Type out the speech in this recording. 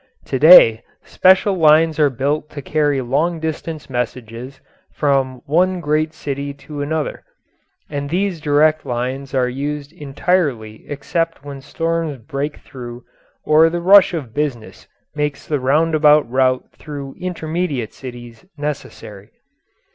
To day special lines are built to carry long distance messages from one great city to another, and these direct lines are used entirely except when storms break through or the rush of business makes the roundabout route through intermediate cities necessary.